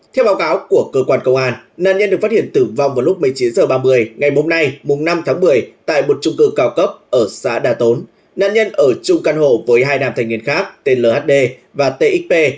tại một trung cư cao cấp ở xã đà tốn nạn nhân ở chung căn hộ với hai nam thanh niên khác tên lhd và txp